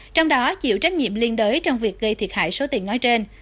trong đó chịu trách nhiệm liên đới trong việc gây thiệt hại số tiền nói trên